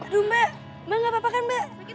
aduh mbak maaf gak apa apa kan mbak